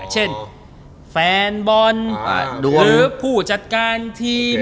เช่นแฟนบอลหรือผู้จัดการทีม